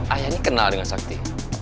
ayah ini kenal dengan sakti